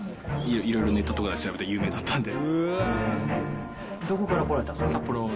いろいろネットとかで調べたら有名だったんで。